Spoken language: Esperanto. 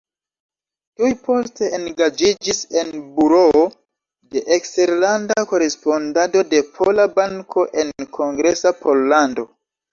Tuj poste engaĝiĝis en buroo de eksterlanda korespondado de Pola Banko en Kongresa Pollando.